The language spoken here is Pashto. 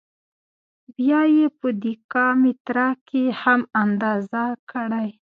بیا یې په دېکا متره کې هم اندازه کړئ.